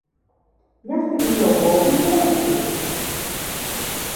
Μια στιγμή ο Μπόμπης δεν αποκρίθηκε